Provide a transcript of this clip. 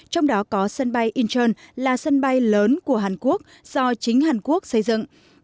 trong đó có sân bay incheon là sân bay lớn của hàn quốc do chính hàn quốc xây dựng